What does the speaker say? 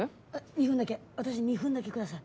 ２分だけ私に２分だけください。